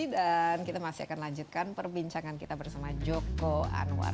dan kita masih akan lanjutkan perbincangan kita bersama joko anwar